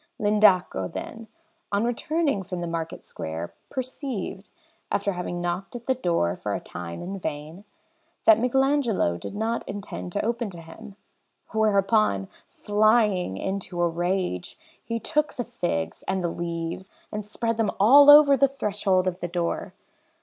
L'Indaco, then, on returning from the market square, perceived, after having knocked at the door for a time in vain, that Michelagnolo did not intend to open to him; whereupon, flying into a rage, he took the figs and the leaves and spread them all over the threshold of the door.